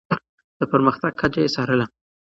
د پرمختګ کچه يې څارله.